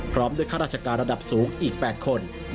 พร้อมด้วยข้าราชการระดับสูงอีก๘คน